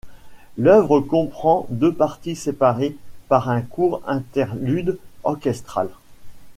L'œuvre comprend deux parties séparées par un court interlude orchestral.